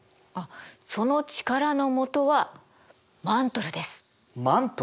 あっその力のもとはマントル？